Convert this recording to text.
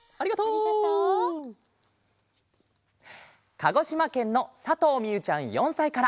かごしまけんのさとうみゆちゃん４さいから。